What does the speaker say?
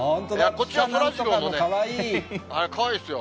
こっちは、そらジローの、かわいいですよ。